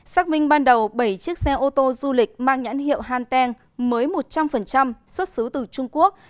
xác minh ban đầu bảy chiếc xe ô tô du lịch mang nhãn hiệu hanteng mới một trăm linh xuất xứ từ trung quốc